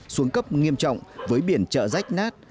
xuống cấp nghiêm trọng với biển chợ rách nát